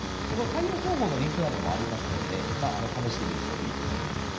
これ、対応方法のリンクなどもありますので、試してみるといいと思います。